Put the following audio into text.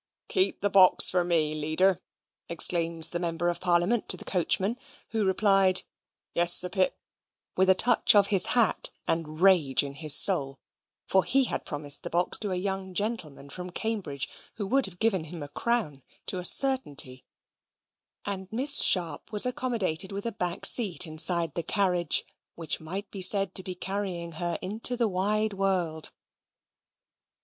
"Keep the box for me, Leader," exclaims the Member of Parliament to the coachman; who replied, "Yes, Sir Pitt," with a touch of his hat, and rage in his soul (for he had promised the box to a young gentleman from Cambridge, who would have given a crown to a certainty), and Miss Sharp was accommodated with a back seat inside the carriage, which might be said to be carrying her into the wide world.